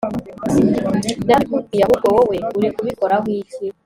narabikubwiye ahubwo wowe urikubikoraho iki